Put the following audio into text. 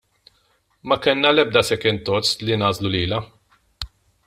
Ma kellna l-ebda second thoughts li nagħżlu lilha.